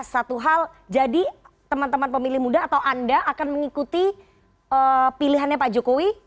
satu hal jadi teman teman pemilih muda atau anda akan mengikuti pilihannya pak jokowi